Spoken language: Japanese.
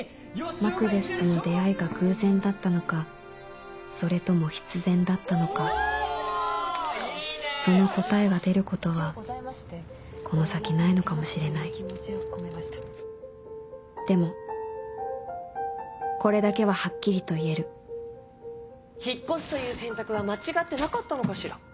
マクベスとの出会いが偶然だったのかそれとも必然だったのかその答えが出ることはこの先ないのかもしれないでもこれだけははっきりと言える引っ越すという選択は間違ってなかったのかしら？